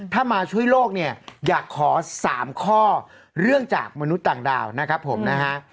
ถ้ามาช่วยโลกเนี่ยอยากขอ๓ข้อเรื่องจากมนุษย์ต่างดาวนะครับผมนะฮะ